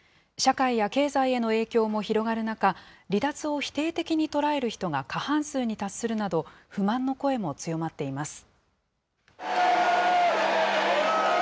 社会や経済への影響も広がる中、離脱を否定的に捉える人が過半数に達するなど、不満の声も強まっています。